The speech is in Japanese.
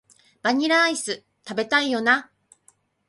バニラアイス、食べたいよな